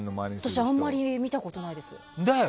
私、あんまり見たことないです。